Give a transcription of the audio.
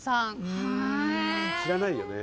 知らないよね。